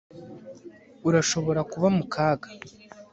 Urashobora kuba mu kaga